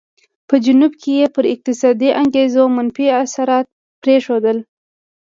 په جنوب کې یې پر اقتصادي انګېزو منفي اثرات پرېښودل.